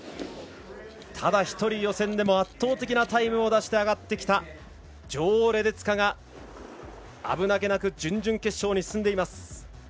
ただ１人、予選でも圧倒的なタイムを出して上がってきた、女王レデツカが危なげなく準々決勝に進んでいます。